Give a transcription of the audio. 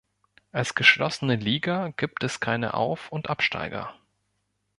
Als „geschlossene“ Liga gibt es keine Auf- und Absteiger.